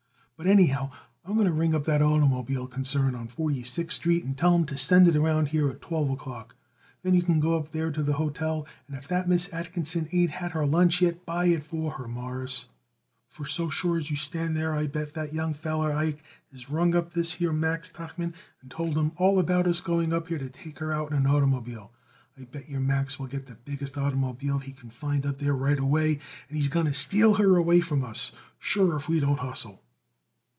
"But, anyhow, I'm going to ring up that oitermobile concern on Forty sixth Street and tell 'em to send it around here at twelve o'clock. Then you can go up there to the hotel, and if that Miss Atkinson ain't had her lunch yet buy it for her, Mawruss, for so sure as you stand there I bet yer that young feller, Ike, has rung up this here Max Tuchman and told him all about us going up there to take her out in an oitermobile. I bet yer Max will get the biggest oitermobile he can find up there right away, and he's going to steal her away from us, sure, if we don't hustle."